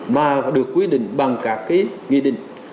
mà được quy định bằng các nghi định